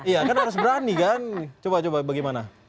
iya kan harus berani kan coba coba bagaimana